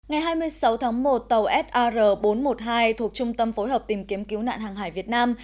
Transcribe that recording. ngày hai mươi sáu tháng một tàu sar bốn trăm một mươi hai thuộc trung tâm phối hợp tìm kiếm cứu nạn hàng hải việt nam